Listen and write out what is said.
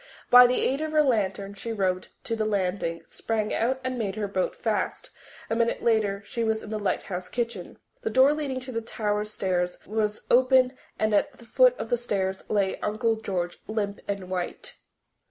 By the aid of her lantern she rowed to the landing, sprang out and made her boat fast. A minute later she was in the lighthouse kitchen. The door leading to the tower stairs was open and at the foot of the stairs lay Uncle George, limp and white.